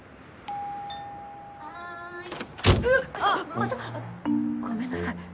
また？ごめんなさい。